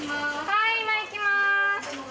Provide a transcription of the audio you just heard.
はい今行きます。